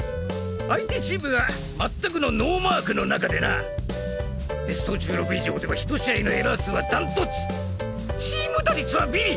相手チームが全くのノーマークのなかでなベスト１６以上では１試合のエラー数はダントツチーム打率はビリ。